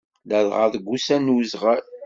Ladɣa deg wussan n uzɣal.